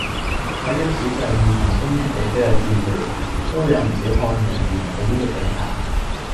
喺歷史上每逢中原地區有戰亂，都會有唔少漢人移民到呢度避難